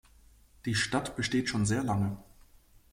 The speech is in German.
Die Stadt besteht schon sehr lange.